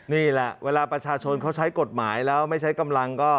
นี่แหละเวลาประชาชนเขาใช้กฎหมายแล้วไม่ใช้กำลังก็